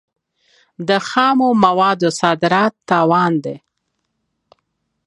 د خامو موادو صادرات تاوان دی.